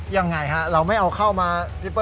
ยังไงฮะเราไม่เอาเข้ามา